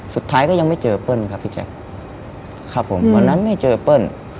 สุดท้ายก็ยังไม่เจอเปิ้ลครับพี่แจ๊คครับผมวันนั้นไม่เจอเปิ้ล